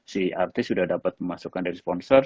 si artis sudah dapat memasukkan dari sponsor